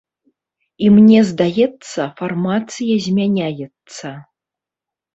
І мне здаецца, фармацыя змяняецца.